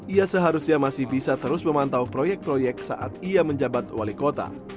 ia seharusnya masih bisa terus memantau proyek proyek saat ia menjabat wali kota